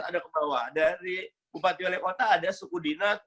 dari kupat yole kota ada suku dinas